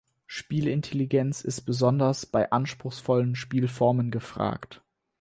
Spielintelligenz ist besonders bei anspruchsvollen Spielformen gefragt.